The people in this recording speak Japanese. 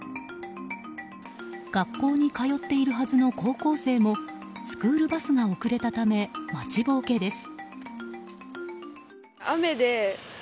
学校に通っているはずの高校生もスクールバスが遅れたため待ちぼうけです。